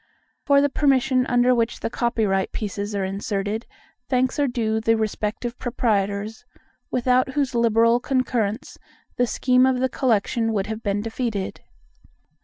For the permission under which the copyright pieces are inserted, thanks are due to the respective proprietors, without whose liberal concurrence the scheme of the Collection would have been defeated.